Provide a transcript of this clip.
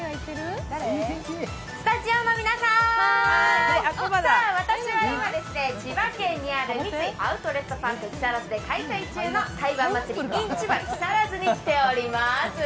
スタジオの皆さん、私は今、千葉県にある三井アウトレットパーク木更津で開催中の台湾祭ｉｎ千葉ＫＩＳＡＲＡＺＵに来ております。